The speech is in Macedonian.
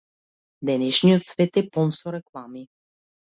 Денешниот свет е полн со реклами.